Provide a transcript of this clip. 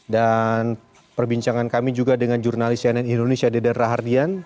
dan perbincangan kami juga dengan jurnalis cnn indonesia dede rahardian